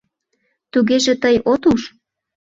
— Тугеже тый от уж?